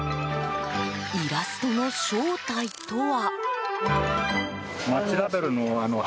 イラストの正体とは？